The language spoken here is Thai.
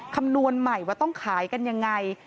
คำนวณใหม่ว่าต้องขายกันยังไง